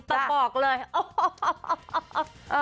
แต่บอกเลยโอ้โห